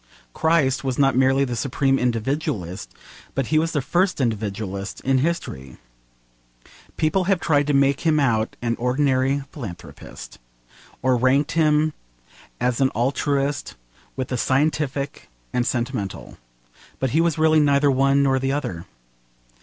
Christ was not merely the supreme individualist, but he was the first individualist in history. People have tried to make him out an ordinary philanthropist, or ranked him as an altruist with the scientific and sentimental. But he was really neither one nor the other.